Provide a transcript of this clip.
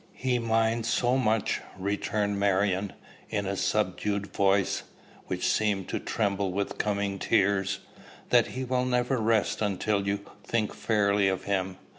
"He minds so much," returned Marion, in a subdued voice, which seemed to tremble with coming tears, "that he will never rest until you think fairly of him.